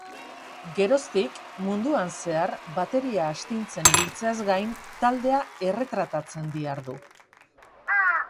Geroztik, munduan zehar bateria astintzen ibiltzeaz gain, taldea erretratatzen dihardu.